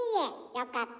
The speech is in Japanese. よかった。